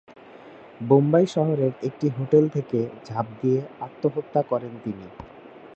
বোম্বাই শহরের একটি হোটেল থেকে ঝাঁপ দিয়ে আত্মহত্যা করেন তিনি।